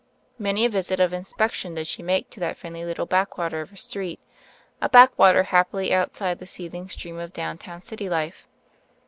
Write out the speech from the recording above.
Many a visit of inspection did she make to that friendly little backwater of a street — a backwater happily outside the seething stream of downtown city life.